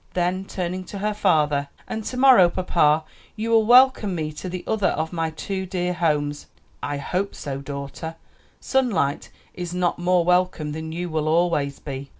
Then turning to her father, "And to morrow, papa, you will welcome me to the other of my two dear homes." "I hope so, daughter; sunlight is not more welcome than you will always be."